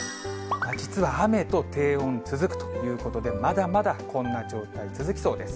実は雨と低温続くということで、まだまだこんな状態、続きそうです。